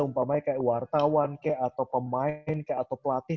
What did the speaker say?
umpamanya kayak wartawan kayak atau pemain kayak atau pelatih